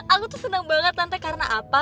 aku tuh senang banget tante karena apa